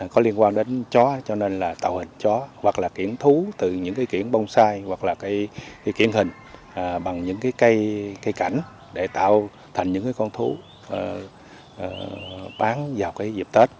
có liên quan đến chó cho nên là tạo hình chó hoặc là kiển thú từ những cái kiển bông sai hoặc là cái kiển hình bằng những cái cây cảnh để tạo thành những cái con thú bán vào cái dịp tết